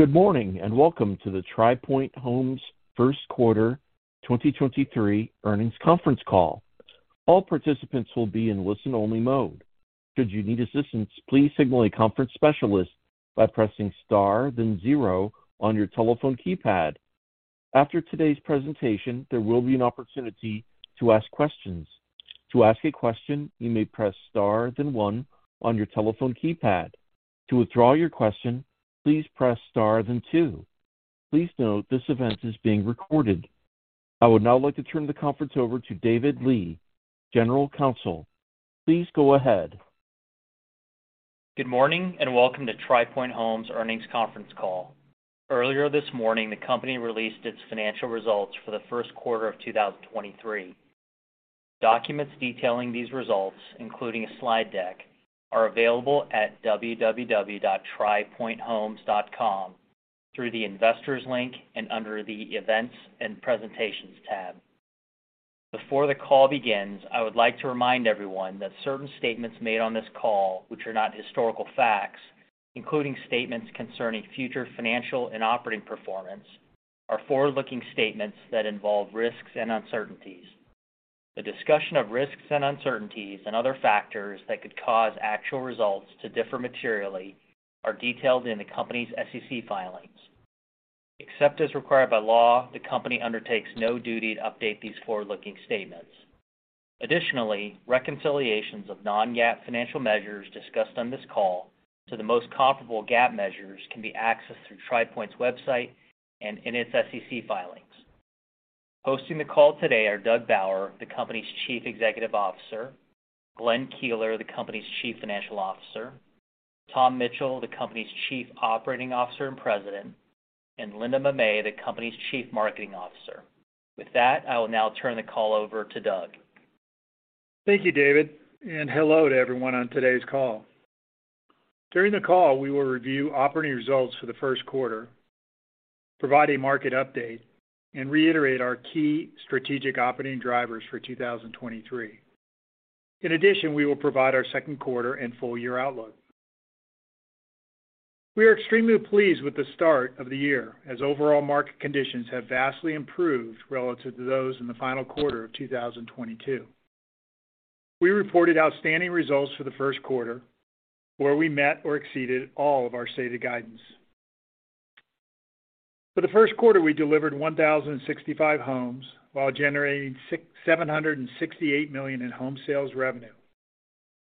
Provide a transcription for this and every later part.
Good morning, welcome to the Tri Pointe Homes first quarter 2023 earnings conference call. All participants will be in listen-only mode. Should you need assistance, please signal a conference specialist by pressing Star, then zero on your telephone keypad. After today's presentation, there will be an opportunity to ask questions. To ask a question, you may press Star then one on your telephone keypad. To withdraw your question, please press Star then two. Please note this event is being recorded. I would now like to turn the conference over to David Lee, General Counsel. Please go ahead. Good morning, welcome to Tri Pointe Homes earnings conference call. Earlier this morning, the company released its financial results for the first quarter of 2023. Documents detailing these results, including a slide deck, are available at www.tripointhomes.com through the investors link and under the events and presentations tab. Before the call begins, I would like to remind everyone that certain statements made on this call which are not historical facts, including statements concerning future financial and operating performance are forward-looking statements that involve risks and uncertainties. The discussion of risks and uncertainties and other factors that could cause actual results to differ materially are detailed in the company's SEC filings. Except as required by law, the company undertakes no duty to update these forward-looking statements. Reconciliations of non-GAAP financial measures discussed on this call to the most comparable GAAP measures can be accessed through Tri Pointe's website and in its SEC filings. Hosting the call today are Doug Bauer, the company's Chief Executive Officer, Glenn Keeler, the company's Chief Financial Officer, Tom Mitchell, the company's Chief Operating Officer and President, and Linda Mamet, the company's Chief Marketing Officer. With that, I will now turn the call over to Doug. Thank you, David. Hello to everyone on today's call. During the call, we will review operating results for the first quarter, provide a market update, and reiterate our key strategic operating drivers for 2023. In addition, we will provide our second quarter and full year outlook. We are extremely pleased with the start of the year as overall market conditions have vastly improved relative to those in the final quarter of 2022. We reported outstanding results for the first quarter, where we met or exceeded all of our stated guidance. For the first quarter, we delivered 1,065 homes while generating $768 million in home sales revenue.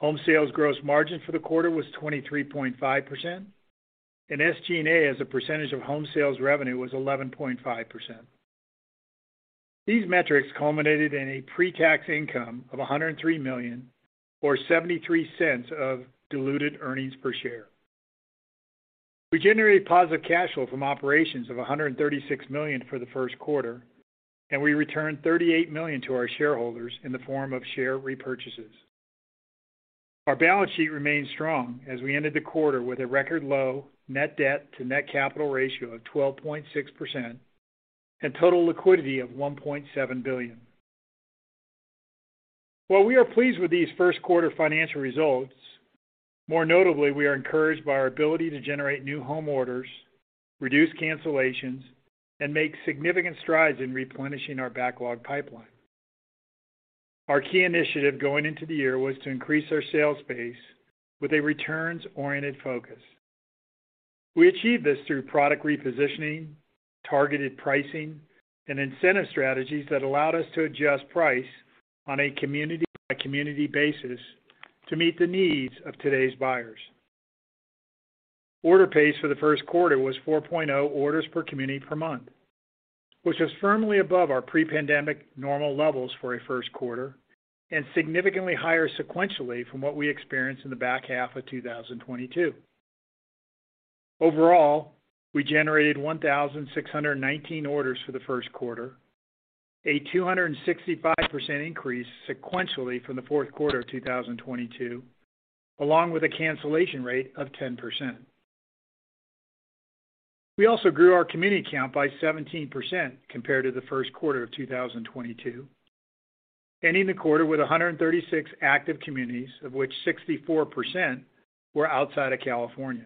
Home sales gross margin for the quarter was 23.5%, and SG&A as a percentage of home sales revenue was 11.5%. These metrics culminated in a pre-tax income of $103 million or $0.73 of diluted earnings per share. We generated positive cash flow from operations of $136 million for the first quarter. We returned $38 million to our shareholders in the form of share repurchases. Our balance sheet remains strong as we ended the quarter with a record-low net debt to net capital ratio of 12.6% and total liquidity of $1.7 billion. While we are pleased with these first quarter financial results, more notably, we are encouraged by our ability to generate new home orders, reduce cancellations, and make significant strides in replenishing our backlog pipeline. Our key initiative going into the year was to increase our sales base with a returns-oriented focus. We achieved this through product repositioning, targeted pricing, and incentive strategies that allowed us to adjust price on a community-by-community basis to meet the needs of today's buyers. Order pace for the first quarter was 4.0 orders per community per month, which is firmly above our pre-pandemic normal levels for a first quarter and significantly higher sequentially from what we experienced in the back half of 2022. We generated 1,619 orders for the first quarter, a 265% increase sequentially from the fourth quarter of 2022, along with a cancellation rate of 10%. We also grew our community count by 17% compared to the first quarter of 2022, ending the quarter with 136 active communities, of which 64% were outside of California.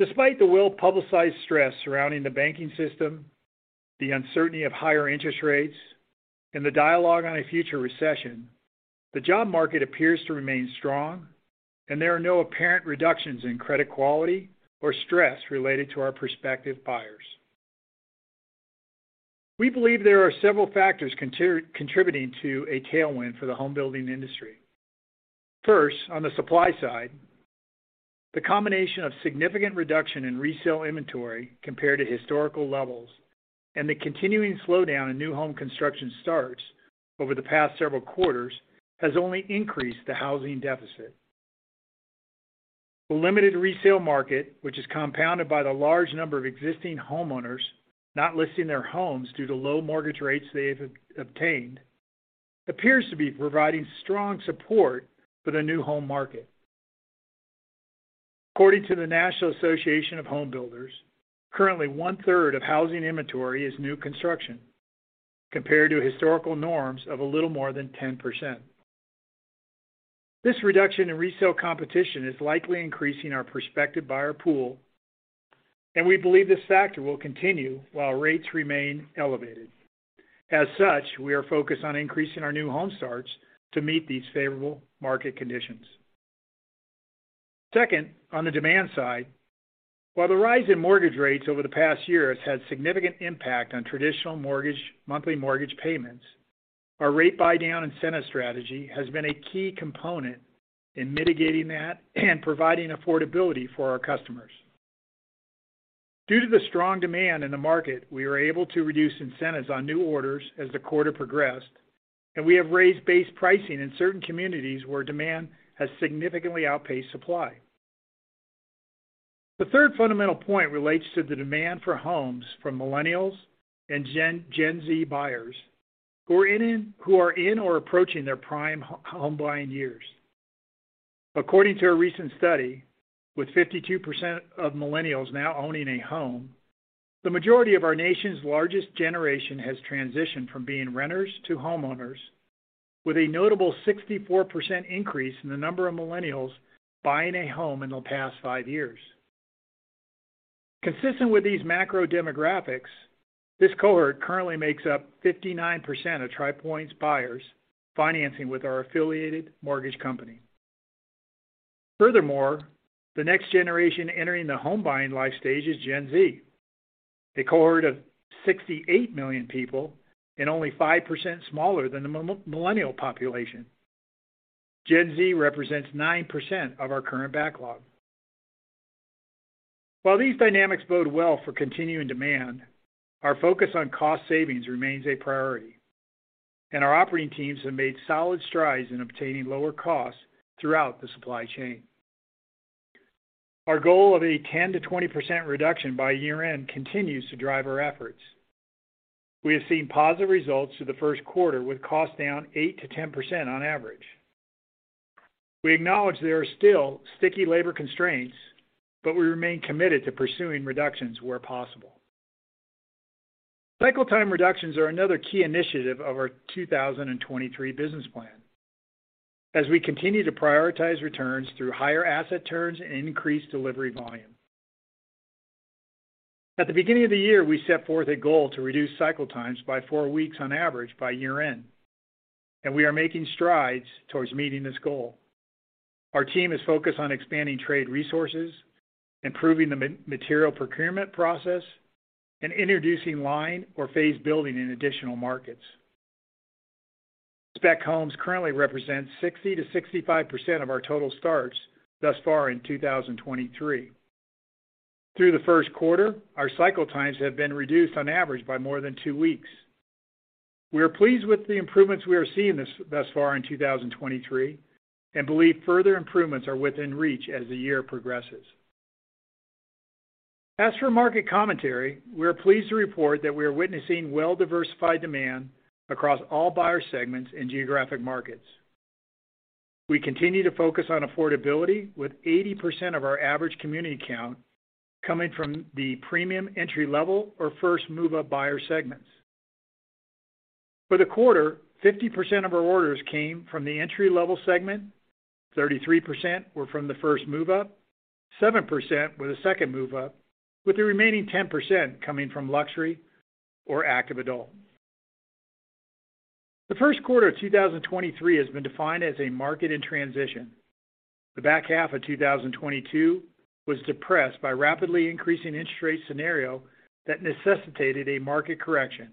Despite the well-publicized stress surrounding the banking system, the uncertainty of higher interest rates, and the dialogue on a future recession, the job market appears to remain strong, and there are no apparent reductions in credit quality or stress related to our prospective buyers. We believe there are several factors contributing to a tailwind for the home building industry. First, on the supply side, the combination of significant reduction in resale inventory compared to historical levels and the continuing slowdown in new home construction starts over the past several quarters has only increased the housing deficit. The limited resale market, which is compounded by the large number of existing homeowners not listing their homes due to low mortgage rates they have obtained, appears to be providing strong support for the new home market. According to the National Association of Home Builders, currently 1/3 of housing inventory is new construction compared to historical norms of a little more than 10%. This reduction in resale competition is likely increasing our prospective buyer pool, and we believe this factor will continue while rates remain elevated. As such, we are focused on increasing our new home starts to meet these favorable market conditions. Second, on the demand side, while the rise in mortgage rates over the past year has had significant impact on traditional monthly mortgage payments, our rate buy-down incentive strategy has been a key component in mitigating that and providing affordability for our customers. Due to the strong demand in the market, we were able to reduce incentives on new orders as the quarter progressed, and we have raised base pricing in certain communities where demand has significantly outpaced supply. The third fundamental point relates to the demand for homes from millennials and Gen Z buyers who are in or approaching their prime home buying years. According to a recent study, with 52% of millennials now owning a home, the majority of our nation's largest generation has transitioned from being renters to homeowners with a notable 64% increase in the number of millennials buying a home in the past 5 years. Consistent with these macro demographics, this cohort currently makes up 59% of Tri Pointe's buyers financing with our affiliated mortgage company. The next generation entering the home buying life stage is Gen Z, a cohort of 68 million people and only 5% smaller than the millennial population. Gen Z represents 9% of our current backlog. While these dynamics bode well for continuing demand, our focus on cost savings remains a priority, and our operating teams have made solid strides in obtaining lower costs throughout the supply chain. Our goal of a 10%-20% reduction by year-end continues to drive our efforts. We have seen positive results through the first quarter with cost down 8%-10% on average. We acknowledge there are still sticky labor constraints, we remain committed to pursuing reductions where possible. Cycle time reductions are another key initiative of our 2023 business plan as we continue to prioritize returns through higher asset turns and increased delivery volume. At the beginning of the year, we set forth a goal to reduce cycle times by four weeks on average by year-end, we are making strides towards meeting this goal. Our team is focused on expanding trade resources, improving the material procurement process, and introducing line or phase building in additional markets. Spec homes currently represent 60-65% of our total starts thus far in 2023. Through the first quarter, our cycle times have been reduced on average by more than two weeks. We are pleased with the improvements we are seeing thus far in 2023 and believe further improvements are within reach as the year progresses. Market commentary, we are pleased to report that we are witnessing well-diversified demand across all buyer segments and geographic markets. We continue to focus on affordability with 80% of our average community count coming from the Premium Entry-Level or First Move-Up buyer segments. For the quarter, 50% of our orders came from the Entry-Level segment, 33% were from the first move-up, 7% were the Second Move-Up, with the remaining 10% coming from Luxury or Active Adult. The first quarter of 2023 has been defined as a market in transition. The back half of 2022 was depressed by rapidly increasing interest rate scenario that necessitated a market correction.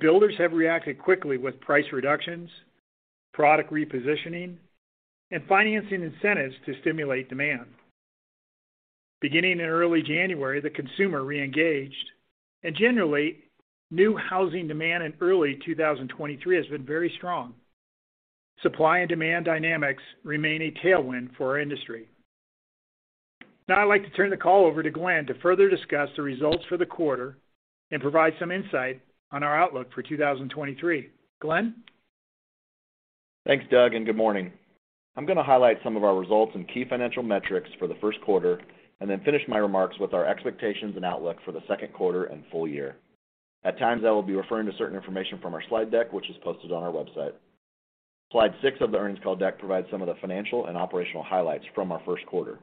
Builders have reacted quickly with price reductions, product repositioning, and financing incentives to stimulate demand. Beginning in early January, the consumer re-engaged and generally, new housing demand in early 2023 has been very strong. Supply and demand dynamics remain a tailwind for our industry. Now I'd like to turn the call over to Glenn to further discuss the results for the quarter and provide some insight on our outlook for 2023. Glenn? Thanks, Doug, and good morning. I'm going to highlight some of our results and key financial metrics for the first quarter and then finish my remarks with our expectations and outlook for the second quarter and full year. At times, I will be referring to certain information from our slide deck, which is posted on our website. Slide six of the earnings call deck provides some of the financial and operational highlights from our first quarter.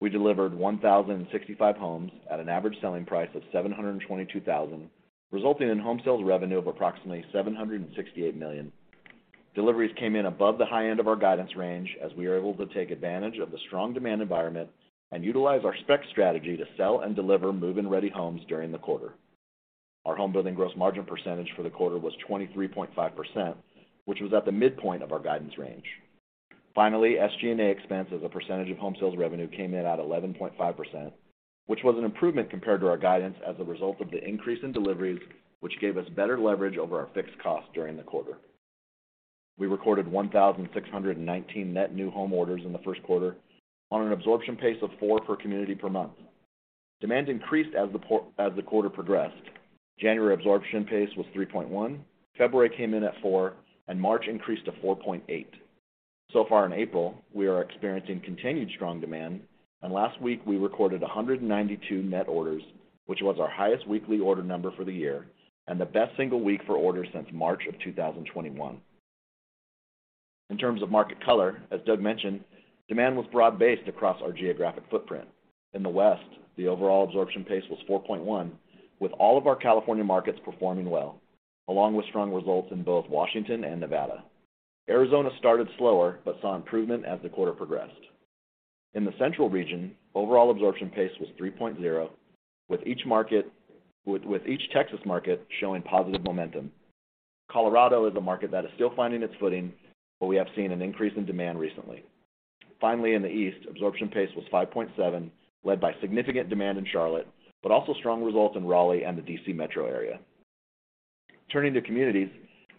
We delivered 1,065 homes at an average selling price of $722,000, resulting in home sales revenue of approximately $768 million. Deliveries came in above the high end of our guidance range as we are able to take advantage of the strong demand environment and utilize our spec strategy to sell and deliver move-in-ready homes during the quarter. Our homebuilding gross margin percentage for the quarter was 23.5%, which was at the midpoint of our guidance range. SG&A expense as a percentage of home sales revenue came in at 11.5%, which was an improvement compared to our guidance as a result of the increase in deliveries, which gave us better leverage over our fixed cost during the quarter. We recorded 1,619 net new home orders in the first quarter on an absorption pace of 4 per community per month. Demand increased as the quarter progressed. January absorption pace was 3.1, February came in at 4, and March increased to 4.8. So far in April, we are experiencing continued strong demand, and last week we recorded 192 net orders, which was our highest weekly order number for the year and the best single week for orders since March of 2021. In terms of market color, as Doug mentioned, demand was broad-based across our geographic footprint. In the West, the overall absorption pace was 4.1, with all of our California markets performing well, along with strong results in both Washington and Nevada. Arizona started slower, but saw improvement as the quarter progressed. In the central region, overall absorption pace was 3.0, with each Texas market showing positive momentum. Colorado is a market that is still finding its footing, but we have seen an increase in demand recently. In the East, absorption pace was 5.7, led by significant demand in Charlotte, but also strong results in Raleigh and the D.C. Metro area. Turning to communities,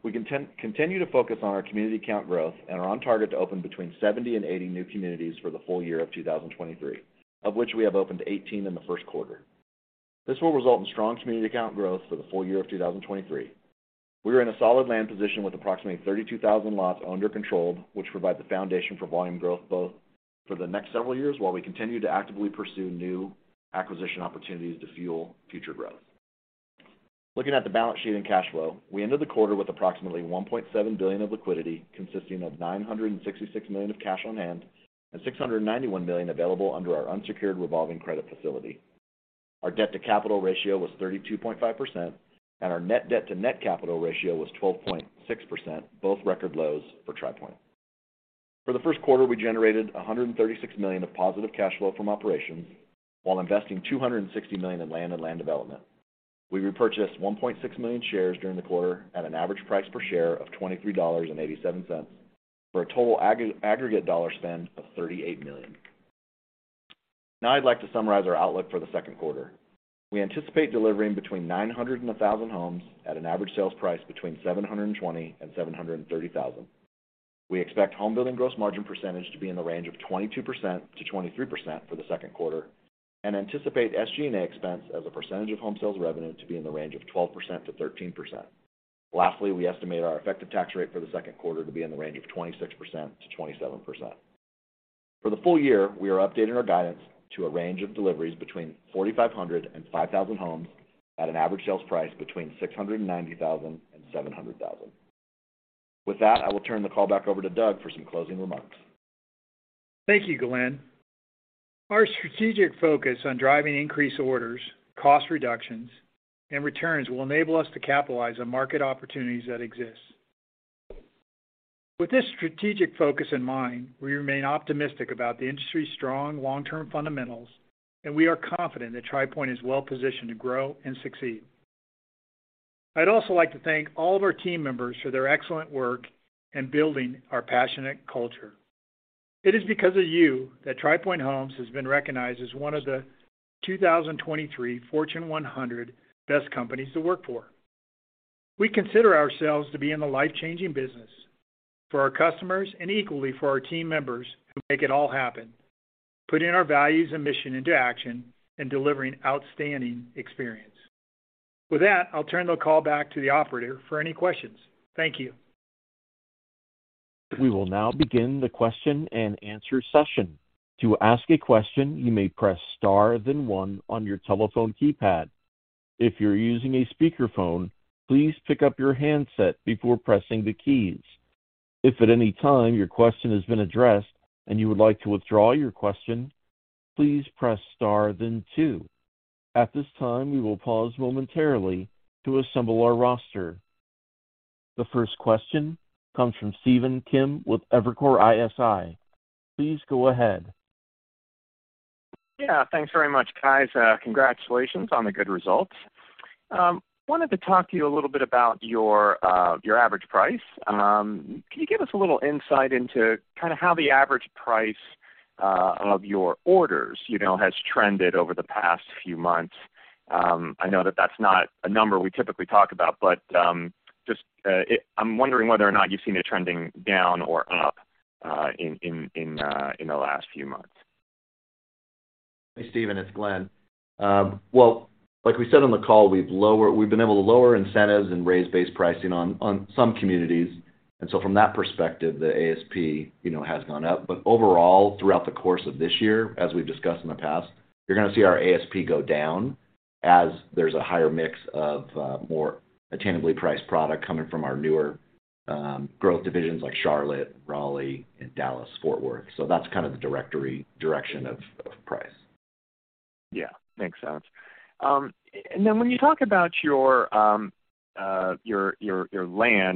we continue to focus on our community count growth and are on target to open between 70 and 80 new communities for the full year of 2023, of which we have opened 18 in the first quarter. This will result in strong community count growth for the full year of 2023. We are in a solid land position with approximately 32,000 lots under control, which provide the foundation for volume growth both for the next several years while we continue to actively pursue new acquisition opportunities to fuel future growth. Looking at the balance sheet and cash flow, we ended the quarter with approximately $1.7 billion of liquidity, consisting of $966 million of cash on hand and $691 million available under our unsecured revolving credit facility. Our debt-to-capital ratio was 32.5%, and our net debt to net capital ratio was 12.6%, both record lows for Tri Pointe. For the first quarter, we generated $136 million of positive cash flow from operations while investing $260 million in land and land development. We repurchased 1.6 million shares during the quarter at an average price per share of $23.87, for a total aggregate dollar spend of $38 million. I'd like to summarize our outlook for the second quarter. We anticipate delivering between 900 and 1,000 homes at an average sales price between $720,000 and $730,000. We expect home-building gross margin percentage to be in the range of 22%-23% for the second quarter and anticipate SG&A expense as a percentage of home sales revenue to be in the range of 12%-13%. Lastly, we estimate our effective tax rate for the second quarter to be in the range of 26%-27%. For the full year, we are updating our guidance to a range of deliveries between 4,500 homes-5,000 homes at an average sales price between $690,000-$700,000. With that, I will turn the call back over to Doug for some closing remarks. Thank you, Glenn. Our strategic focus on driving increased orders, cost reductions, and returns will enable us to capitalize on market opportunities that exist. With this strategic focus in mind, we remain optimistic about the industry's strong long-term fundamentals, and we are confident that Tri Pointe is well positioned to grow and succeed. I'd also like to thank all of our team members for their excellent work in building our passionate culture. It is because of you that Tri Pointe Homes has been recognized as one of the 2023 Fortune 100 Best Companies to Work For. We consider ourselves to be in the life-changing business for our customers and equally for our team members who make it all happen, putting our values and mission into action and delivering outstanding experience. With that, I'll turn the call back to the operator for any questions. Thank you. We will now begin the question and answer session. To ask a question, you may press star then one on your telephone keypad. If you're using a speakerphone, please pick up your handset before pressing the keys. If at any time your question has been addressed and you would like to withdraw your question, please press star then two. At this time, we will pause momentarily to assemble our roster. The first question comes from Stephen Kim with Evercore ISI. Please go ahead. Thanks very much, guys. Congratulations on the good results. Wanted to talk to you a little bit about your average price. Can you give us a little insight into kind of how the average price of your orders, you know, has trended over the past few months? I know that that's not a number we typically talk about, but I'm wondering whether or not you've seen it trending down or up in the last few months. Hey, Stephen, it's Glenn. Well, like we said on the call, we've been able to lower incentives and raise base pricing on some communities, and so from that perspective, the ASP, you know, has gone up. Overall, throughout the course of this year, as we've discussed in the past, you're gonna see our ASP go down as there's a higher mix of, more attainably priced product coming from our newer, growth divisions like Charlotte, Raleigh, and Dallas-Fort Worth. That's kind of the direction of price. Yeah, makes sense. When you talk about your land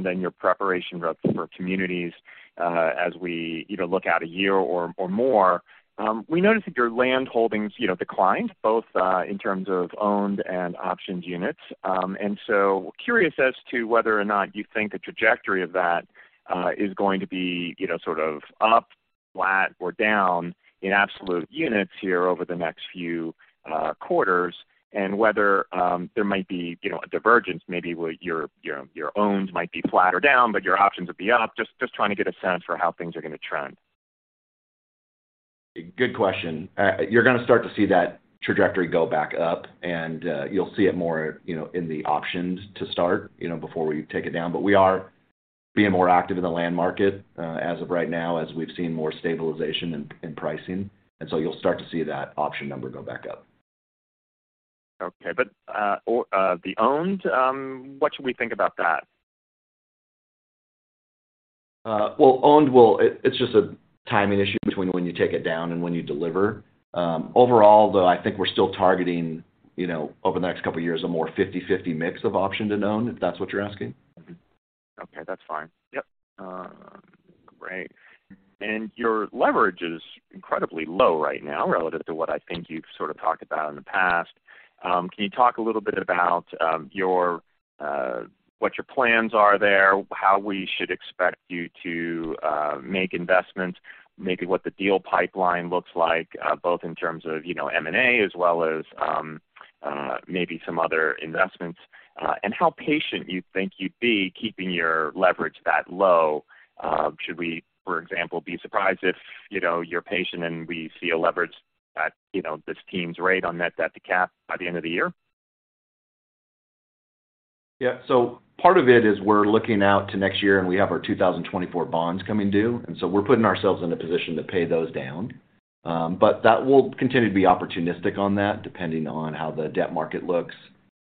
and your preparation rep for communities, as we either look out a year or more, we noticed that your landholdings, you know, declined both in terms of owned and optioned units. Curious as to whether or not you think the trajectory of that is going to be, you know, sort of up, flat, or down in absolute units here over the next few quarters and whether there might be, you know, a divergence, maybe with your owns might be flat or down, but your options would be up? Just trying to get a sense for how things are gonna trend. Good question. You're gonna start to see that trajectory go back up. You'll see it more, you know, in the options to start, you know, before we take it down. We are being more active in the land market as of right now as we've seen more stabilization in pricing. You'll start to see that option number go back up. Okay. The owned, what should we think about that? Well, owned will. It's just a timing issue between when you take it down and when you deliver. Overall, though, I think we're still targeting, you know, over the next couple years a more 50/50 mix of option to owned, if that's what you're asking. Mm-hmm. Okay, that's fine. Yep. Great. Your leverage is incredibly low right now relative to what I think you've sort of talked about in the past. Can you talk a little bit about your what your plans are there, how we should expect you to make investments, maybe what the deal pipeline looks like, both in terms of, you know, M&A as well as maybe some other investments, and how patient you think you'd be keeping your leverage that low? Should we, for example, be surprised if, you know, you're patient and we see a leverage at, you know, this team's rate on net debt to cap by the end of the year? Yeah. Part of it is we're looking out to next year, and we have our 2024 bonds coming due. We're putting ourselves in a position to pay those down. That will continue to be opportunistic on that, depending on how the debt market looks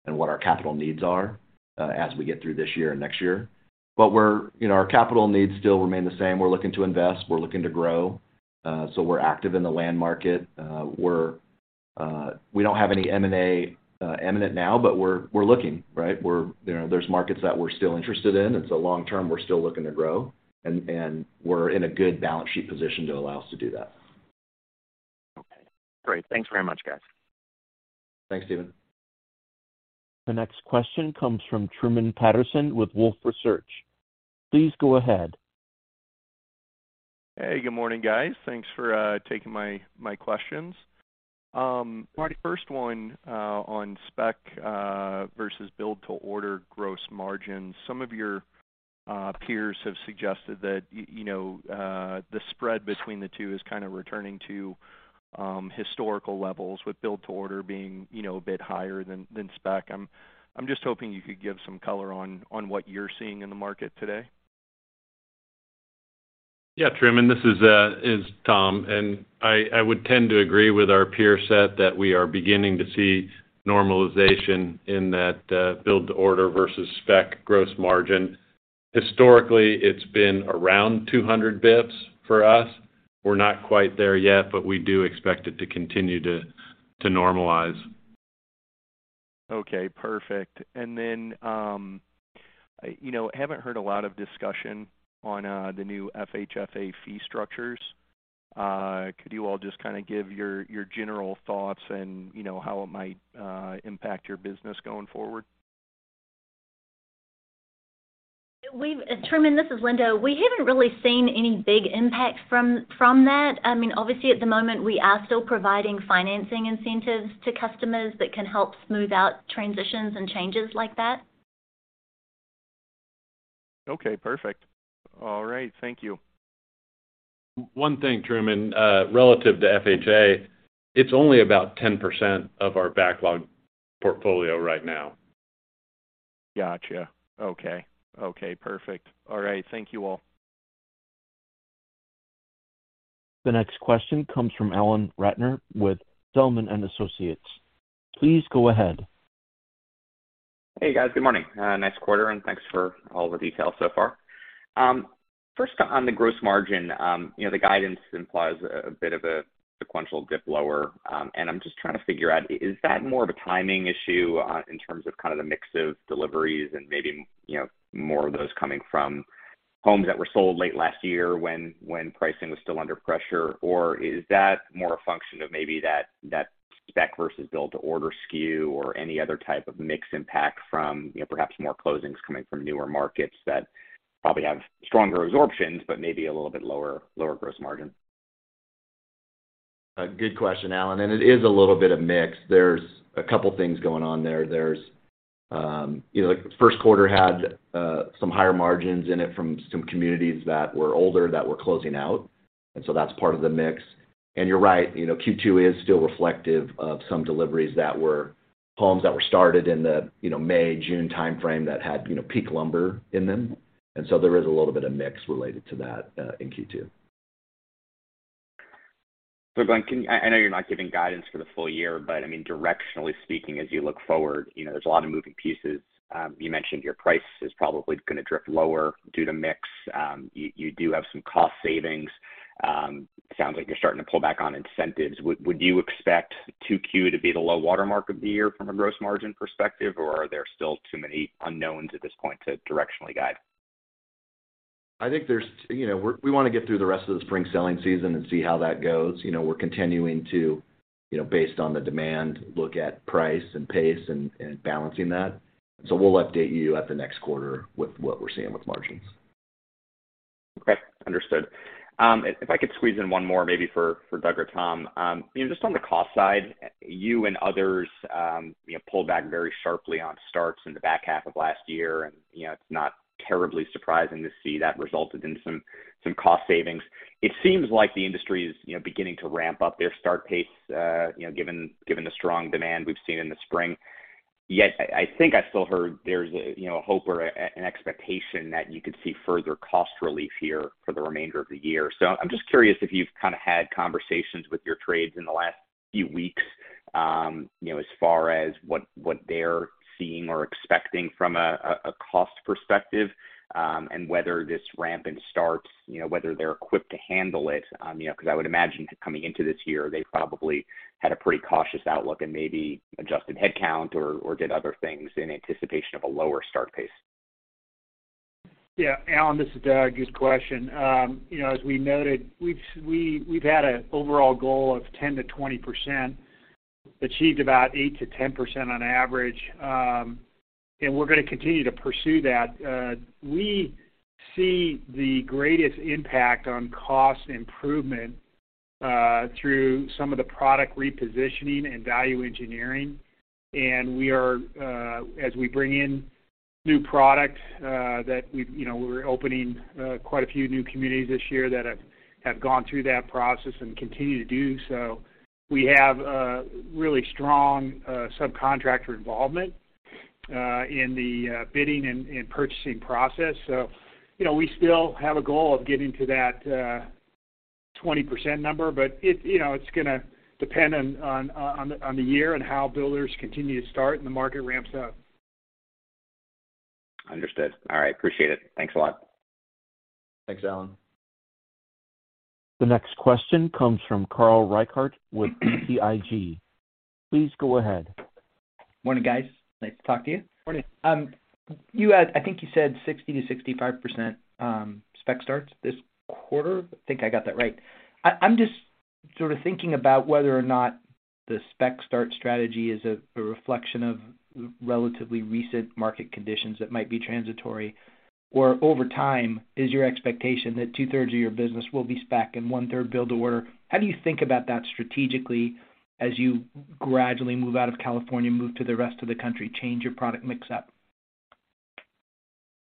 and what our capital needs are as we get through this year and next year. You know, our capital needs still remain the same. We're looking to invest, we're looking to grow. We're active in the land market. We don't have any M&A imminent now, but we're looking, right? There's markets that we're still interested in. Long term, we're still looking to grow and we're in a good balance sheet position to allow us to do that. Okay, great. Thanks very much, guys. Thanks, Stephen. The next question comes from Truman Patterson with Wolfe Research. Please go ahead. Hey, good morning, guys. Thanks for taking my questions. My first one on spec versus build to order gross margins. Some of your peers have suggested that you know, the spread between the two is kind of returning to historical levels with build to order being, you know, a bit higher than spec. I'm just hoping you could give some color on what you're seeing in the market today. Yeah, Truman, this is Tom, I would tend to agree with our peer set that we are beginning to see normalization in that, build to order versus spec gross margin. Historically, it's been around 200 basis points for us. We're not quite there yet, but we do expect it to continue to normalize. Okay, perfect. You know, haven't heard a lot of discussion on the new FHFA fee structures. Could you all just kind of give your general thoughts and, you know, how it might impact your business going forward? Truman, this is Linda. We haven't really seen any big impact from that. I mean, obviously at the moment, we are still providing financing incentives to customers that can help smooth out transitions and changes like that. Okay, perfect. All right. Thank you. One thing, Truman, relative to FHA, it's only about 10% of our backlog portfolio right now. Gotcha. Okay. Okay, perfect. All right. Thank you all. The next question comes from Alan Ratner with Zelman & Associates. Please go ahead. Hey, guys. Good morning. Nice quarter, thanks for all the details so far. First on the gross margin, you know, the guidance implies a bit of a sequential dip lower. I'm just trying to figure out, is that more of a timing issue in terms of kind of the mix of deliveries and maybe, you know, more of those coming from homes that were sold late last year when pricing was still under pressure? Is that more a function of maybe that spec versus build to order SKU or any other type of mix impact from, you know, perhaps more closings coming from newer markets that probably have stronger absorptions, but maybe a little bit lower gross margin? Good question, Alan. It is a little bit of mix. There's a couple things going on there. There's... You know, first quarter had some higher margins in it from some communities that were older that were closing out, so that's part of the mix. You're right, you know, Q2 is still reflective of some deliveries that were homes that were started in the, you know, May, June timeframe that had, you know, peak lumber in them. So there is a little bit of mix related to that in Q2. Glenn, I know you're not giving guidance for the full year, but I mean, directionally speaking, as you look forward, you know, there's a lot of moving pieces. You mentioned your price is probably gonna drift lower due to mix. You do have some cost savings. Sounds like you're starting to pull back on incentives. Would you expect 2Q to be the low water mark of the year from a gross margin perspective, or are there still too many unknowns at this point to directionally guide? I think there's. You know, we wanna get through the rest of the spring selling season and see how that goes. You know, we're continuing to, you know, based on the demand, look at price and pace and balancing that. We'll update you at the next quarter with what we're seeing with margins. Okay, understood. If I could squeeze in one more maybe for Doug or Tom. You know, just on the cost side, you and others, you know, pulled back very sharply on starts in the back half of last year. You know, it's not terribly surprising to see that resulted in some cost savings. It seems like the industry is, you know, beginning to ramp up their start pace, you know, given the strong demand we've seen in the spring. Yet I think I still heard there's, you know, a hope or an expectation that you could see further cost relief here for the remainder of the year. I'm just curious if you've kind of had conversations with your trades in the last few weeks, you know, as far as what they're seeing or expecting from a cost perspective, and whether this rampant starts, you know, whether they're equipped to handle it. You know, 'cause I would imagine coming into this year, they probably had a pretty cautious outlook and maybe adjusted headcount or did other things in anticipation of a lower start pace. Yeah. Alan, this is Doug. Good question. You know, as we noted, we've had a overall goal of 10%-20%. Achieved about 8%-10% on average. We're gonna continue to pursue that. We see the greatest impact on cost improvement through some of the product repositioning and value engineering. We are, as we bring in new products, that we've, you know, we're opening quite a few new communities this year that have gone through that process and continue to do so. We have a really strong subcontractor involvement in the bidding and purchasing process. You know, we still have a goal of getting to that 20% number, but it, you know, it's gonna depend on the year and how builders continue to start and the market ramps up. Understood. All right. Appreciate it. Thanks a lot. Thanks, Alan. The next question comes from Carl Reichardt with BTIG. Please go ahead. Morning, guys. Nice to talk to you. Morning. You had, I think you said 60%-65% spec starts this quarter. I think I got that right. I'm just sort of thinking about whether or not the spec start strategy is a reflection of relatively recent market conditions that might be transitory or over time is your expectation that two-thirds of your business will be spec and one-third build to order. How do you think about that strategically as you gradually move out of California, move to the rest of the country, change your product mix up?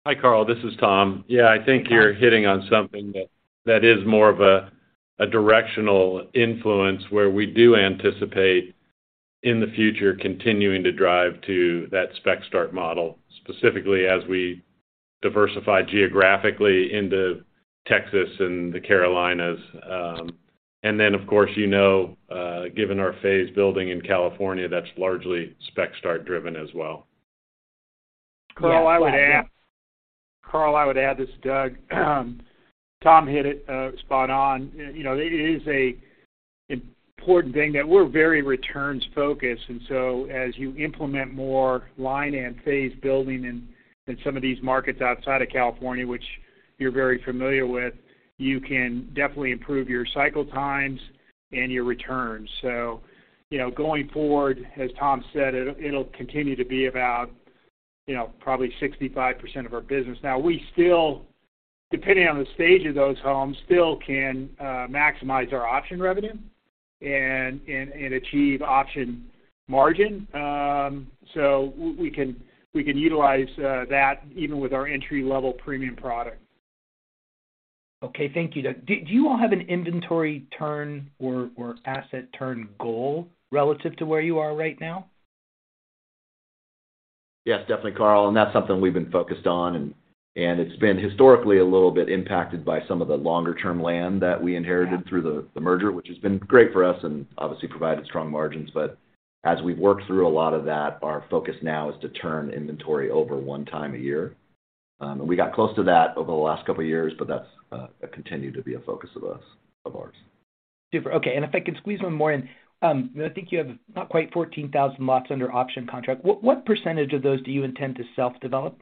Hi, Carl, this is Tom. Yeah, I think you're hitting on something that is more of a directional influence where we do anticipate in the future continuing to drive to that spec start model, specifically as we diversify geographically into Texas and the Carolinas. Then of course, you know, given our phase building in California, that's largely spec start driven as well. Carl, I would add. This is Doug. Tom hit it spot on. You know, it is a important thing that we're very returns focused, and so as you implement more line and phase building in some of these markets outside of California, which you're very familiar with, you can definitely improve your cycle times and your returns. You know, going forward, as Tom said, it'll continue to be about, you know, probably 65% of our business. Now, we still, depending on the stage of those homes, still can maximize our option revenue and achieve option margin. We can utilize that even with our Entry-Level Premium product. Okay. Thank you, Doug. Do you all have an inventory turn or asset turn goal relative to where you are right now? Yes, definitely, Carl, and that's something we've been focused on, and it's been historically a little bit impacted by some of the longer-term land that we inherited through the merger, which has been great for us and obviously provided strong margins. As we've worked through a lot of that, our focus now is to turn inventory over 1 time a year. We got close to that over the last couple of years, but that's continued to be a focus of us, of ours. Super. Okay, if I can squeeze one more in. I think you have not quite 14,000 lots under option contract. What percentage of those do you intend to self-develop?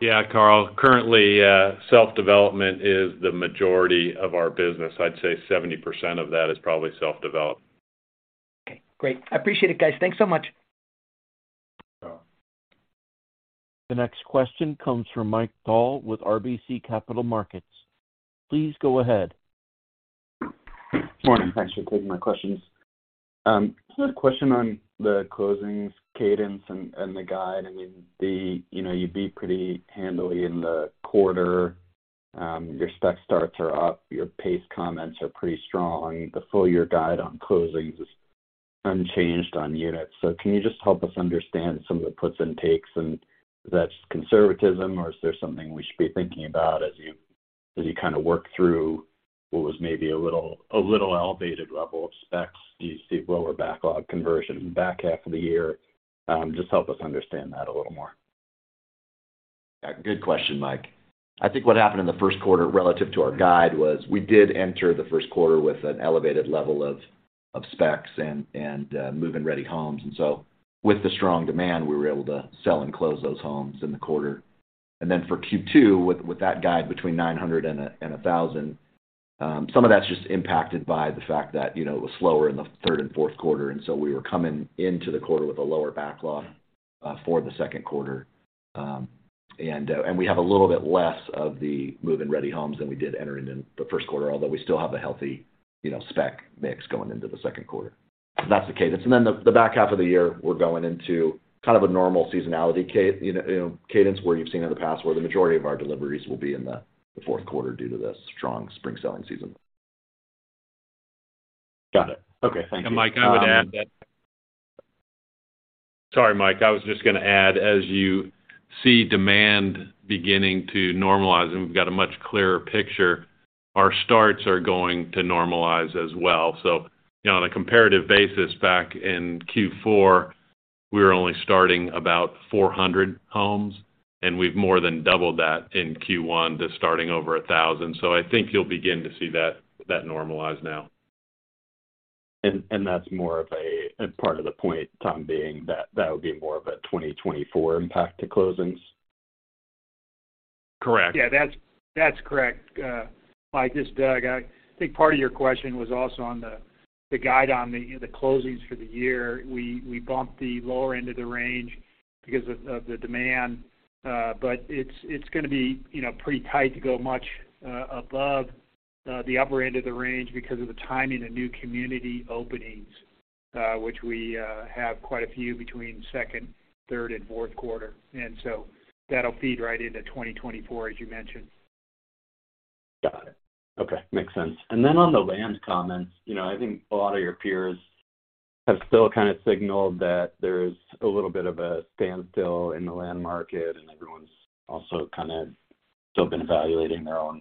Yeah, Carl. Currently, self-development is the majority of our business. I'd say 70% of that is probably self-developed. Okay, great. I appreciate it, guys. Thanks so much. You're welcome. The next question comes from Mike Dahl with RBC Capital Markets. Please go ahead. Morning. Thanks for taking my questions. Just a question on the closings cadence and the guide. I mean, you know, you beat pretty handily in the quarter. Your spec starts are up, your pace comments are pretty strong. The full year guide on closings is unchanged on units. Can you just help us understand some of the puts and takes, and if that's conservatism or is there something we should be thinking about as you, as you kind of work through what was maybe a little elevated level of specs? Do you see lower backlog conversion back half of the year? Just help us understand that a little more. Good question, Mike. I think what happened in the first quarter relative to our guide was we did enter the first quarter with an elevated level of specs and move-in-ready homes. With the strong demand, we were able to sell and close those homes in the quarter. For Q2, with that guide between 900 and 1,000, some of that's just impacted by the fact that, you know, it was slower in the third and fourth quarter, and so we were coming into the quarter with a lower backlog for the second quarter. And we have a little bit less of the move-in-ready homes than we did entering in the first quarter, although we still have a healthy, you know, spec mix going into the second quarter. That's the cadence. Then the back half of the year, we're going into kind of a normal seasonality you know, cadence where you've seen in the past, where the majority of our deliveries will be in the fourth quarter due to the strong spring selling season. Got it. Okay, thank you. Mike, I would add sorry, Mike, I was just gonna add, as you see demand beginning to normalize, and we've got a much clearer picture, our starts are going to normalize as well. You know, on a comparative basis, back in Q4, we were only starting about 400 homes, and we've more than doubled that in Q1 to starting over 1,000. I think you'll begin to see that normalize now. Part of the point, Tom, being that that would be more of a 2024 impact to closings? Correct. Yeah, that's correct. Mike, this is Doug. I think part of your question was also on the guide on the closings for the year. We bumped the lower end of the range because of the demand, but it's gonna be, you know, pretty tight to go much above the upper end of the range because of the timing of new community openings, which we have quite a few between second, third, and fourth quarter. That'll feed right into 2024, as you mentioned. Got it. Okay. Makes sense. Then on the land comments, you know, I think a lot of your peers have still kind of signaled that there's a little bit of a standstill in the land market, and everyone's also kind of still been evaluating their own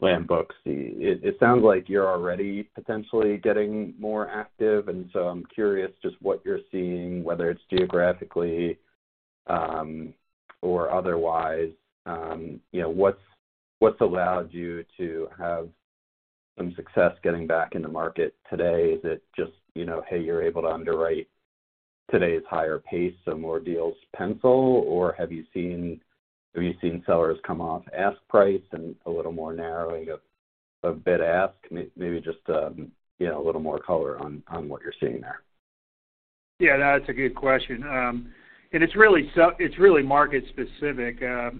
land books. It sounds like you're already potentially getting more active. I'm curious just what you're seeing, whether it's geographically or otherwise. You know, what's allowed you to have some success getting back in the market today? Is it just, you know, hey, you're able to underwrite today's higher pace, so more deals pencil? Have you seen sellers come off ask price and a little more narrowing of bid-ask? Maybe just, you know, a little more color on what you're seeing there. Yeah, that's a good question. it's really market specific. Now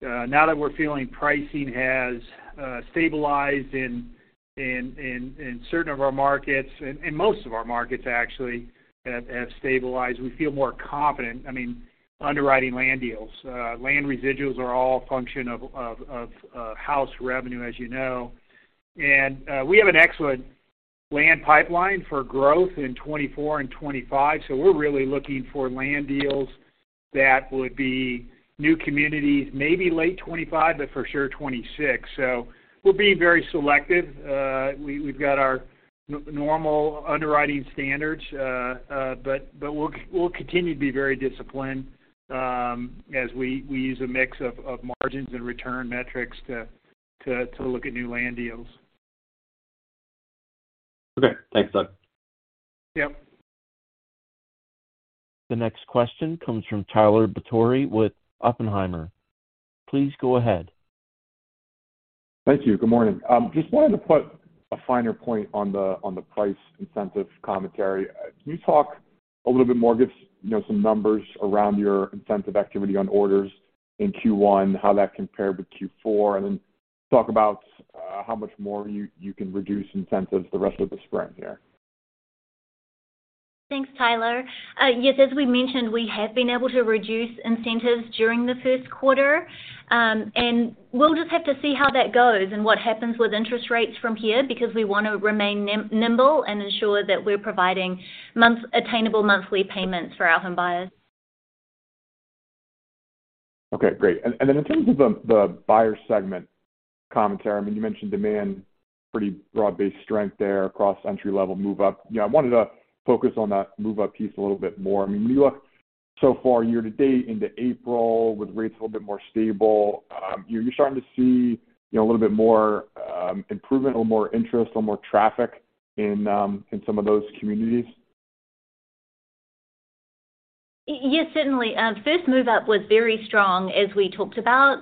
that we're feeling pricing has stabilized in certain of our markets and most of our markets actually have stabilized, we feel more confident, I mean, underwriting land deals. Land residuals are all a function of house revenue, as you know. We have an excellent land pipeline for growth in 2024 and 2025, so we're really looking for land deals that would be new communities, maybe late 2025, but for sure 2026. We're being very selective. We've got our normal underwriting standards, but we'll continue to be very disciplined, as we use a mix of margins and return metrics to look at new land deals. Okay. Thanks, Doug. Yep. The next question comes from Tyler Batory with Oppenheimer. Please go ahead. Thank you. Good morning. Just wanted to put a finer point on the price incentive commentary. Can you talk a little bit more, give, you know, some numbers around your incentive activity on orders in Q1, how that compared with Q4, and then talk about how much more you can reduce incentives the rest of the spring here? Thanks, Tyler. Yes, as we mentioned, we have been able to reduce incentives during the first quarter. We'll just have to see how that goes and what happens with interest rates from here because we wanna remain nimble and ensure that we're providing attainable monthly payments for our home buyers. Okay, great. And then in terms of the buyer segment commentary, I mean, you mentioned demand, pretty broad-based strength there across Entry-Level/Move-Up. You know, I wanted to focus on that move-up piece a little bit more. I mean, when you look so far year to date into April with rates a little bit more stable, are you starting to see, you know, a little bit more improvement or more interest or more traffic in some of those communities? Yes, certainly. first move up was very strong as we talked about.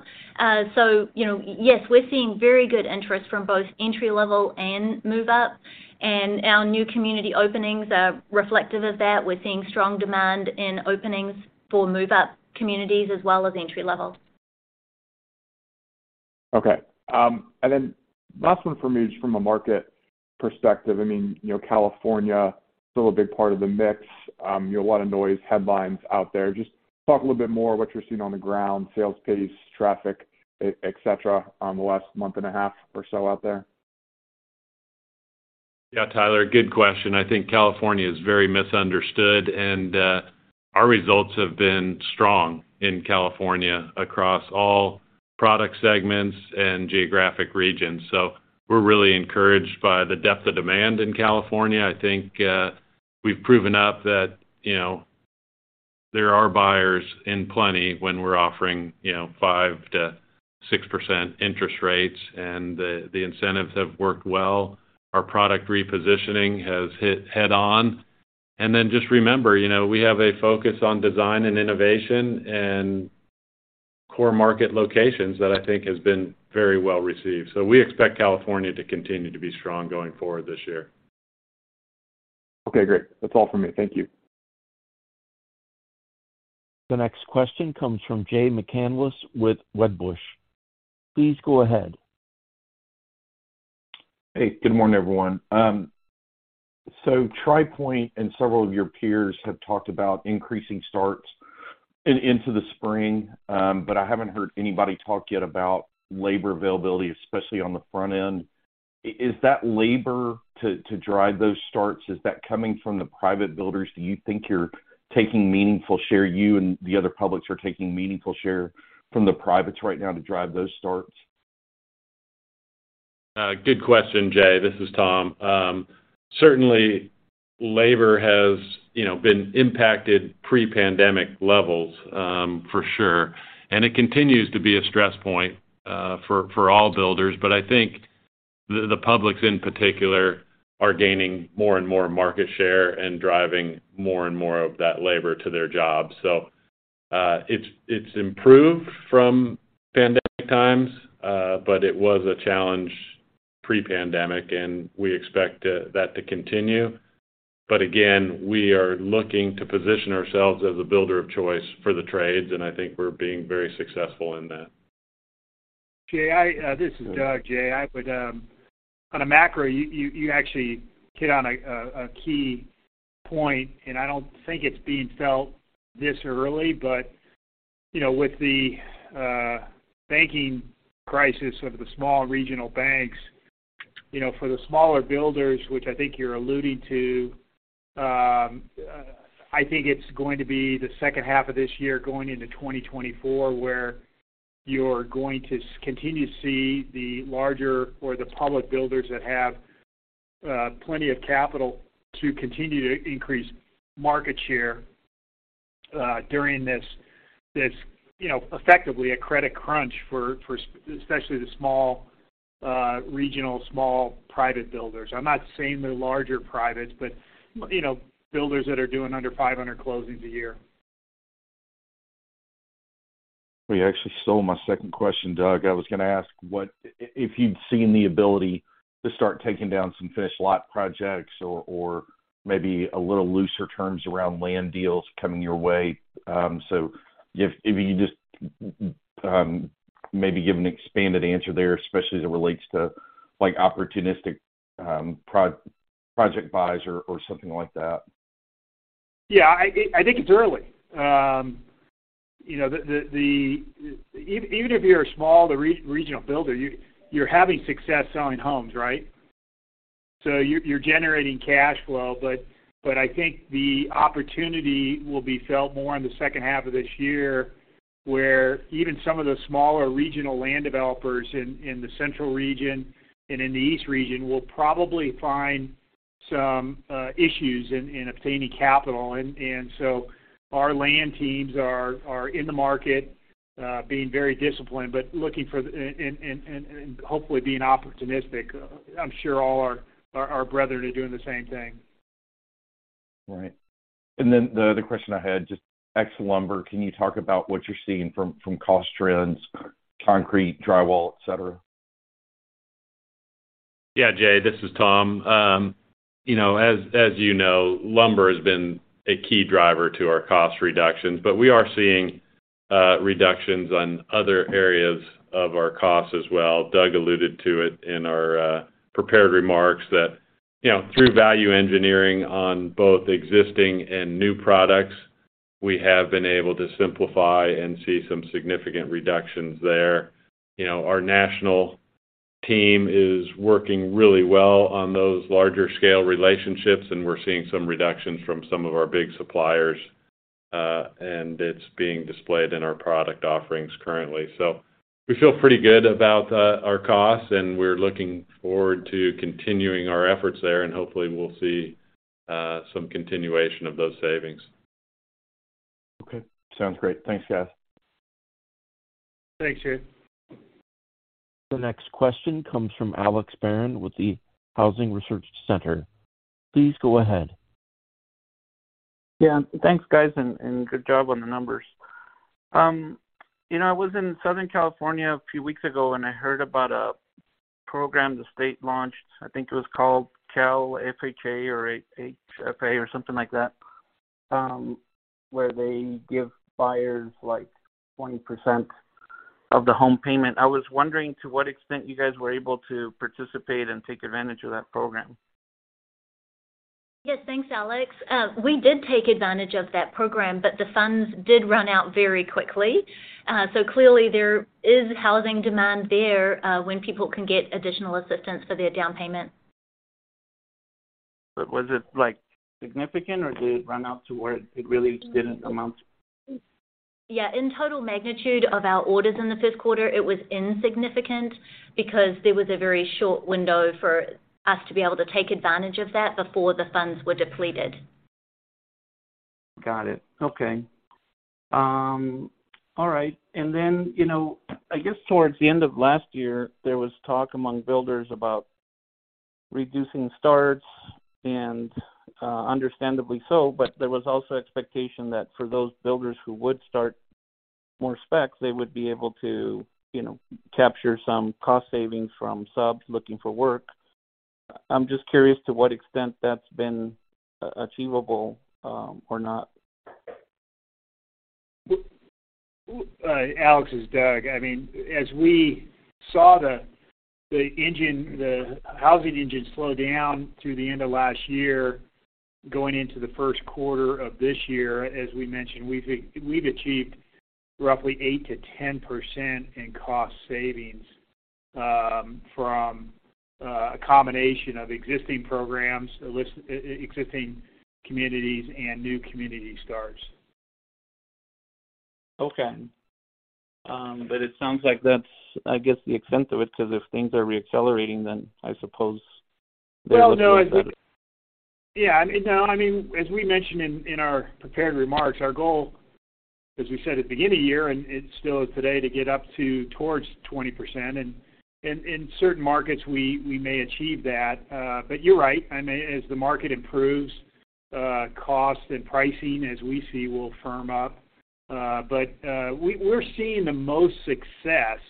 you know, yes, we're seeing very good interest from both entry level and move-up, and our new community openings are reflective of that. We're seeing strong demand in openings for move-up communities as well as entry level. Okay. Last one for me is from a market perspective. I mean, you know, California, still a big part of the mix. You know, a lot of noise, headlines out there. Just talk a little bit more what you're seeing on the ground, sales pace, traffic, et cetera, on the last month and a half or so out there? Yeah, Tyler, good question. I think California is very misunderstood. Our results have been strong in California across all product segments and geographic regions. We're really encouraged by the depth of demand in California. I think we've proven up that, you know, there are buyers in plenty when we're offering, you know, 5%-6% interest rates. The incentives have worked well. Our product repositioning has hit head-on. Just remember, you know, we have a focus on design and innovation and core market locations that I think has been very well-received. We expect California to continue to be strong going forward this year. Okay, great. That's all for me. Thank you. The next question comes from Jay McCanless with Wedbush. Please go ahead. Hey, good morning, everyone. Tri Pointe and several of your peers have talked about increasing starts into the spring, but I haven't heard anybody talk yet about labor availability, especially on the front end. Is that labor to drive those starts, is that coming from the private builders? Do you think you're taking meaningful share, you and the other publics are taking meaningful share from the privates right now to drive those starts? Good question, Jay. This is Tom. Certainly labor has, you know, been impacted pre-pandemic levels for sure. It continues to be a stress point for all builders. I think the publics in particular are gaining more and more market share and driving more and more of that labor to their jobs. It's improved from pandemic times, but it was a challenge pre-pandemic, and we expect that to continue. Again, we are looking to position ourselves as a builder of choice for the trades, and I think we're being very successful in that. Jay, I... this is Doug, Jay. I would... On a macro, you actually hit on a key point, and I don't think it's being felt this early, but, you know, with the banking crisis of the small regional banks, you know, for the smaller builders, which I think you're alluding to, I think it's going to be the second half of this year going into 2024, where you're going to continue to see the larger or the public builders that have plenty of capital to continue to increase market share during this, you know, effectively a credit crunch for especially the small, regional, small private builders. I'm not saying the larger privates, but, you know, builders that are doing under 500 closings a year. Well, you actually stole my second question, Doug. I was gonna ask if you'd seen the ability to start taking down some finished lot projects or maybe a little looser terms around land deals coming your way. If you just, maybe give an expanded answer there, especially as it relates to, like, opportunistic, pro-project buys or something like that. Yeah, I think it's early. You know, even if you're a small to regional builder, you're having success selling homes, right? You're generating cash flow. I think the opportunity will be felt more in the second half of this year, where even some of the smaller regional land developers in the central region and in the East region will probably find some issues in obtaining capital. Our land teams are in the market, being very disciplined, but looking for... And hopefully being opportunistic. I'm sure all our brethren are doing the same thing. Right. Then the other question I had, just ex lumber, can you talk about what you're seeing from cost trends, concrete, drywall, et cetera? Yeah, Jay, this is Tom. You know, as you know, lumber has been a key driver to our cost reductions. We are seeing reductions on other areas of our costs as well. Doug alluded to it in our prepared remarks that, you know, through value engineering on both existing and new products, we have been able to simplify and see some significant reductions there. You know, our national team is working really well on those larger scale relationships, and we're seeing some reductions from some of our big suppliers, and it's being displayed in our product offerings currently. We feel pretty good about our costs, and we're looking forward to continuing our efforts there, and hopefully we'll see some continuation of those savings. Okay. Sounds great. Thanks, guys. Thanks, Jay. The next question comes from Alex Barron with the Housing Research Center. Please go ahead. Yeah. Thanks, guys, and good job on the numbers. You know, I was in Southern California a few weeks ago, and I heard about a program the state launched, I think it was called CalHFA or AHFA or something like that, where they give buyers, like, 20% of the home payment. I was wondering to what extent you guys were able to participate and take advantage of that program. Yes. Thanks, Alex. We did take advantage of that program, but the funds did run out very quickly. Clearly there is housing demand there, when people can get additional assistance for their down payment. Was it, like, significant, or did it run out to where it really didn't amount to? In total magnitude of our orders in the first quarter, it was insignificant because there was a very short window for us to be able to take advantage of that before the funds were depleted. Got it. Okay. All right. You know, I guess towards the end of last year, there was talk among builders about reducing starts and, understandably so, but there was also expectation that for those builders who would start more specs, they would be able to, you know, capture some cost savings from subs looking for work. I'm just curious to what extent that's been achievable, or not. Alex, it's Doug. I mean, as we saw the engine, the housing engine slow down through the end of last year, going into the first quarter of this year, as we mentioned, we've achieved roughly 8%-10% in cost savings from a combination of existing programs, existing communities and new community starts. Okay. It sounds like that's, I guess, the extent of it, 'cause if things are re-accelerating, then I suppose they're looking at that. Well, no, I think. Yeah, I mean, no, I mean, as we mentioned in our prepared remarks, our goal, as we said at the beginning of the year, and it still is today, to get up to towards 20%. In certain markets, we may achieve that. You're right. I mean, as the market improves, cost and pricing, as we see, will firm up. We're seeing the most success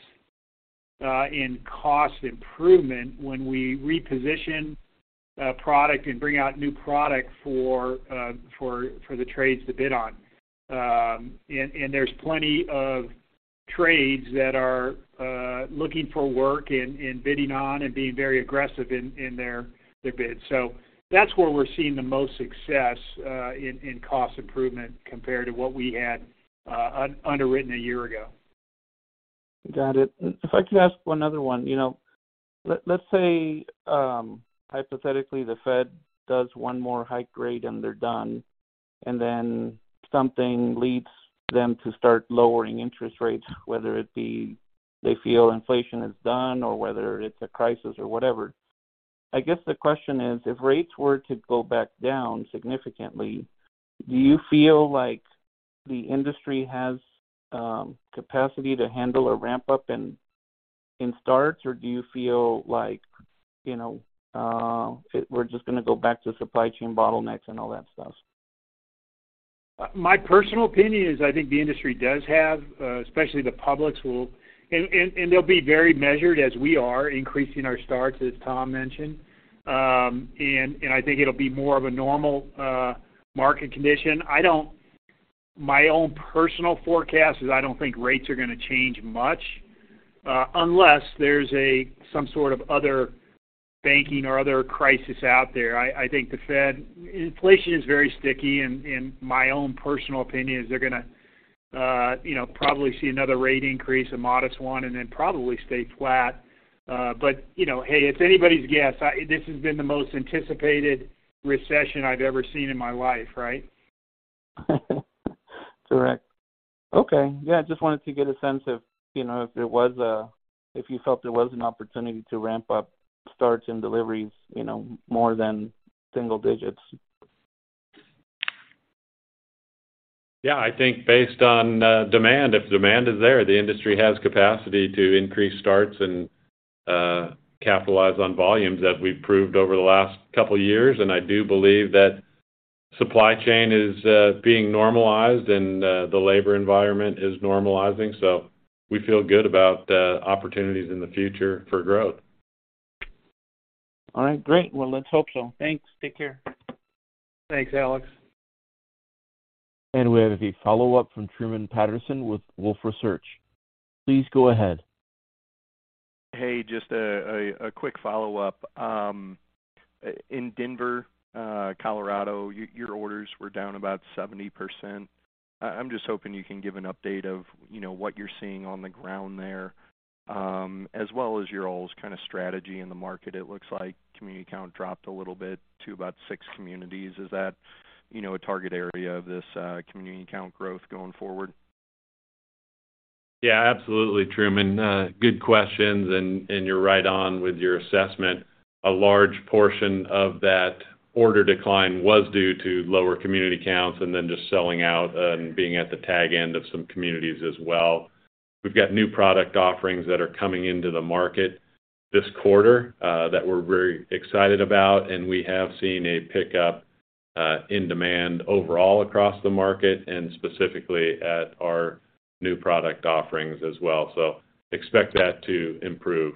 in cost improvement when we reposition product and bring out new product for the trades to bid on. There's plenty of trades that are looking for work and bidding on and being very aggressive in their bids. That's where we're seeing the most success, in cost improvement compared to what we had underwritten a year ago. Got it. I could ask one other one. You know, let's say, hypothetically, the Fed does one more hike rate and they're done, and then something leads them to start lowering interest rates, whether it be they feel inflation is done or whether it's a crisis or whatever. I guess the question is, if rates were to go back down significantly, do you feel like the industry has capacity to handle a ramp-up in starts, or do you feel like, you know, we're just gonna go back to supply chain bottlenecks and all that stuff? My personal opinion is I think the industry does have, especially the publics will... They'll be very measured as we are increasing our starts, as Tom mentioned. I think it'll be more of a normal market condition. My own personal forecast is I don't think rates are gonna change much, unless there's a some sort of other banking or other crisis out there. I think the Fed... Inflation is very sticky, my own personal opinion is they're gonna, you know, probably see another rate increase, a modest one, and then probably stay flat. You know, hey, it's anybody's guess. This has been the most anticipated recession I've ever seen in my life, right? Correct. Okay. Yeah, just wanted to get a sense of, you know, if you felt there was an opportunity to ramp up starts and deliveries, you know, more than single digits? Yeah. I think based on demand, if demand is there, the industry has capacity to increase starts and capitalize on volumes as we've proved over the last couple years. I do believe that supply chain is being normalized and the labor environment is normalizing. We feel good about opportunities in the future for growth. All right. Great. Well, let's hope so. Thanks. Take care. Thanks, Alex. We have a follow-up from Truman Patterson with Wolfe Research. Please go ahead. Hey, just a quick follow-up. In Denver, Colorado, your orders were down about 70%. I'm just hoping you can give an update of, you know, what you're seeing on the ground there, as well as your all's kind of strategy in the market. It looks like community count dropped a little bit to about 6 communities. Is that, you know, a target area of this community count growth going forward? Absolutely, Truman. good questions, and you're right on with your assessment. A large portion of that order decline was due to lower community counts and then just selling out and being at the tag end of some communities as well. We've got new product offerings that are coming into the market this quarter, that we're very excited about, and we have seen a pickup in demand overall across the market and specifically at our new product offerings as well. Expect that to improve.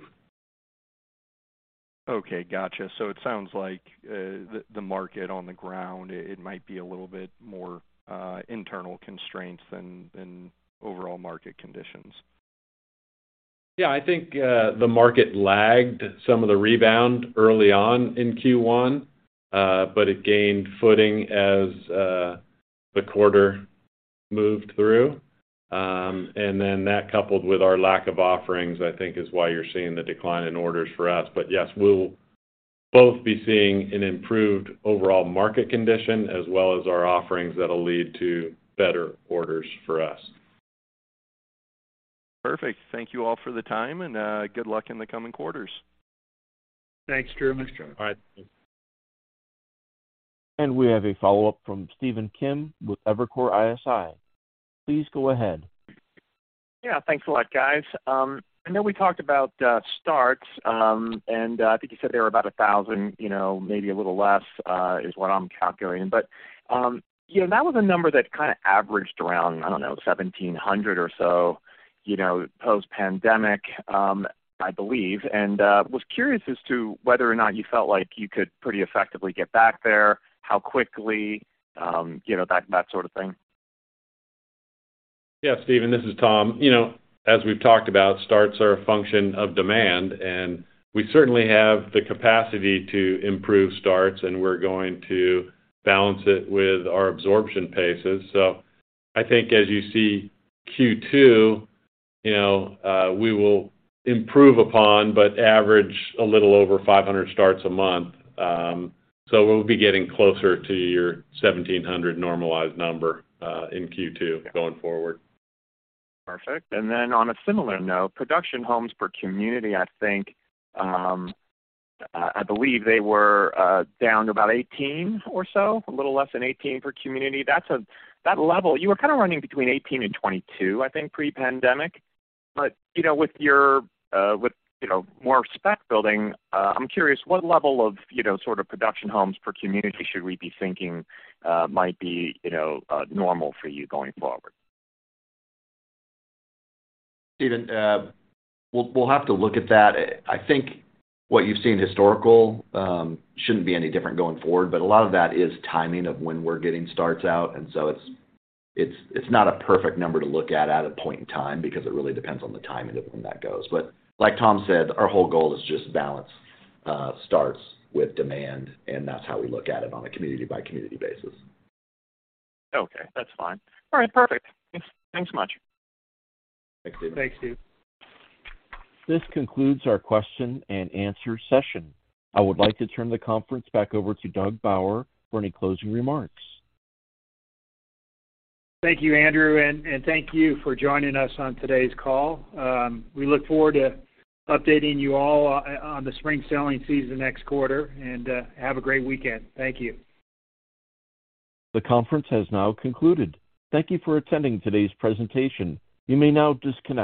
Okay, gotcha. It sounds like the market on the ground, it might be a little bit more internal constraints than overall market conditions. Yeah. I think, the market lagged some of the rebound early on in Q1, but it gained footing as the quarter moved through. That coupled with our lack of offerings, I think, is why you're seeing the decline in orders for us. Yes, we'll both be seeing an improved overall market condition as well as our offerings that'll lead to better orders for us. Perfect. Thank you all for the time, and good luck in the coming quarters. Thanks, Truman. Thanks, gentlemen. All right. Thanks. we have a follow-up from Stephen Kim with Evercore ISI. Please go ahead. Yeah. Thanks a lot, guys. I know we talked about starts, and I think you said there were about 1,000, you know, maybe a little less, is what I'm calculating. You know, that was a number that kind of averaged around, I don't know, 1,700 or so, you know, post-pandemic, I believe. Was curious as to whether or not you felt like you could pretty effectively get back there, how quickly, you know, that sort of thing. Yeah, Stephen, this is Tom. You know, as we've talked about, starts are a function of demand, and we certainly have the capacity to improve starts, and we're going to balance it with our absorption paces. I think as you see Q2, you know, we will improve upon but average a little over 500 starts a month. We'll be getting closer to your 1,700 normalized number in Q2 going forward. Perfect. On a similar note, production homes per community, I think, I believe they were down to about 18 or so, a little less than 18 per community. That's that level, you were kind of running between 18 and 22, I think, pre-pandemic. But, you know, with your, with, you know, more spec building, I'm curious what level of, you know, sort of production homes per community should we be thinking, might be, you know, normal for you going forward? Stephen, we'll have to look at that. I think what you've seen historical, shouldn't be any different going forward, but a lot of that is timing of when we're getting starts out. It's not a perfect number to look at a point in time because it really depends on the timing of when that goes. Like Tom said, our whole goal is just balance, starts with demand, and that's how we look at it on a community by community basis. Okay, that's fine. All right, perfect. Thanks. Thanks much. Thanks, Stephen. Thanks, Stephen. This concludes our question and answer session. I would like to turn the conference back over to Doug Bauer for any closing remarks. Thank you, Andrew, and thank you for joining us on today's call. We look forward to updating you all on the spring selling season next quarter, and have a great weekend. Thank you. The conference has now concluded. Thank you for attending today's presentation. You may now disconnect.